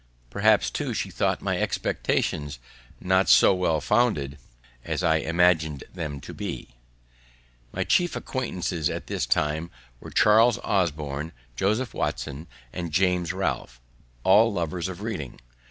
Perhaps, too, she thought my expectations not so well founded as I imagined them to be. My chief acquaintances at this time were Charles Osborne, Joseph Watson, and James Ralph, all lovers of reading.